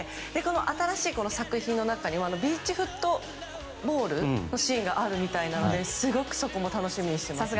新しい作品の中にもビーチフットボールのシーンがあるらしいんですけどすごくそこも楽しみにしています。